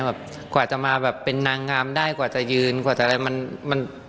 กว่าจะมาแบบเป็นนางงามได้กว่าจะยืนกว่าจะอะไรมันมัน